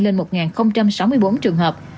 lên một sáu mươi bốn trường hợp